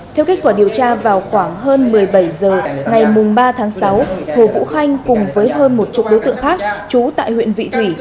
theo kết quả điều tra vào khoảng hơn một mươi bảy h ngày ba tháng sáu hồ vũ khanh cùng với hơn một chục đối tượng khác chú tại huyện vị thủy